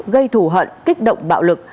gây thù hận kích động bạo lực